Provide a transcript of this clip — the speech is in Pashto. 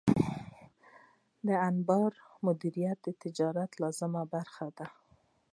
د انبار مدیریت د تجارت لازمي برخه ده.